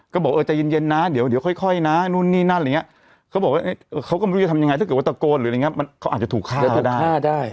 ก็บอกเออใจเย็นนะเดี๋ยวค่อยนะนู่นนี่นั่นอะไรอย่างนี้เขาบอกว่าเขาก็ไม่รู้จะทำยังไงถ้าเกิดว่าตะโกนหรืออะไรอย่างนี้เขาอาจจะถูกฆ่าก็ได้